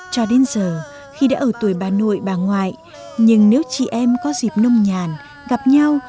cho đến giờ khi đã ở tuổi bà nội bà ngoại nhưng nếu chị em có dịp nông nhàn gặp nhau